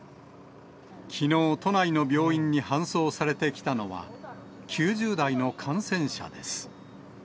きのう、都内の病院に搬送されてきたのは、９０代の感染者です。